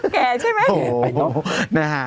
แก่ใช่มั้ย